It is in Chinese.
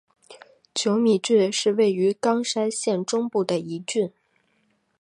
久米郡是位于冈山县中部的一郡。